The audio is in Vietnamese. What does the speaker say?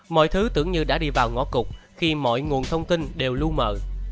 mọi thứ tưởng như đã đi vào ngõ cục khi mọi nguồn thông tin đều lưu mờ